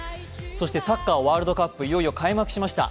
そしてサッカーワールドカップいよいよ開幕しました。